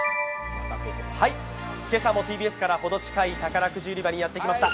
今朝もＴＢＳからほど近い宝くじ売り場にやってきました。